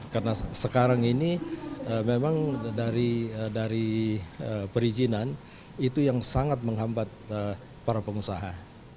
karena sekarang ini memang dari perizinan itu yang sangat menghambat para pengusaha